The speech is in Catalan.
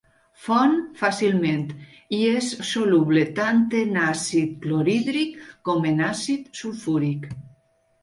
Fon fàcilment i és soluble tant en àcid clorhídric com en àcid sulfúric.